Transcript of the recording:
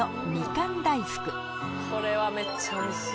これはめっちゃおいしい。